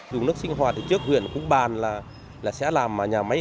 dùng nước sinh hoạt từ trước huyện cũng bàn là sẽ làm nhà máy